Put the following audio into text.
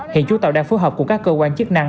hiện chủ tàu đang phối hợp cùng các cơ quan chức năng